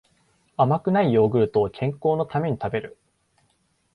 甘くないヨーグルトを健康のために食べる